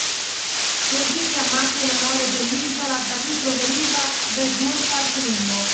Così chiamate in onore dell’isola da cui proveniva re Ghurtar I